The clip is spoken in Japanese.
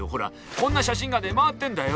こんな写真が出回ってんだよ。